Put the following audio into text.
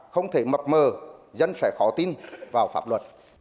không thể mập mờ dân sẽ khó tin vào pháp luật